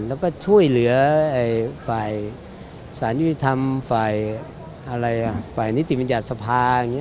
แล้วก็ช่วยเหลือฝ่ายศาลยุทธรรมฝ่ายนิติมิจจัดสภา